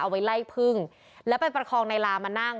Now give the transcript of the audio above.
เอาไว้ไล่พึ่งแล้วไปประคองในลามานั่ง